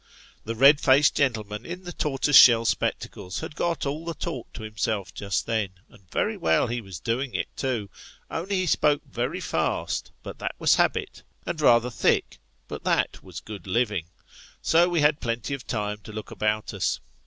The red faced gentleman in the tortoise shell spectacles had got all the talk to himself just then, and very well he was doing it, too, only he spoke very fast, but that was habit ; and rather thick, but that was good living. So we had plenty of time to look about us.